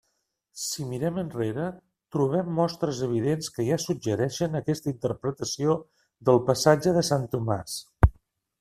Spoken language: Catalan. Si mirem enrere, trobem mostres evidents que ja suggereixen aquesta interpretació del passatge de sant Tomàs.